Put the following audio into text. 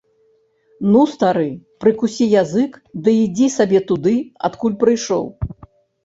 Ну, стары, прыкусі язык ды ідзі сабе туды, адкуль прыйшоў.